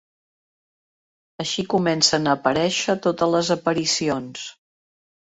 Així comencen a aparèixer totes les aparicions.